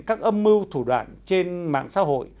các âm mưu thủ đoạn trên mạng xã hội